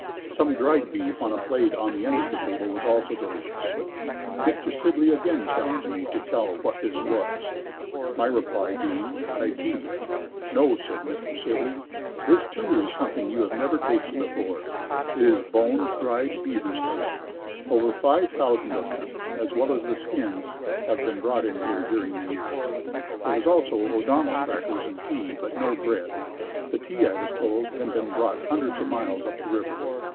Some dried beef on a plate on the end of the table was also delicious. Mr. Sibley again challenged me to tell what this was; My reply being "dried beef." "No," said Mr. Sibley, "This too, is something you have never tasted before it is boned dried beaver's tail. Over five thousand of them, as well as the skins have been brought in here during the year." There was also O'Donnell crackers and tea, but no bread. The tea, I was told, had been brought hundreds of miles up the river.